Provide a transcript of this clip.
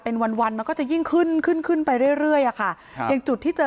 เป็นวันมันก็จะยิ่งขึ้นขึ้นขึ้นไปเรื่อยค่ะจุดที่เจอ